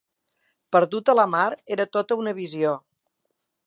Perdut a la mar, era tota una visió.